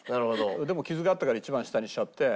でも傷があったから一番下にしちゃって。